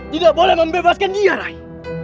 tidak boleh membebaskan dia rai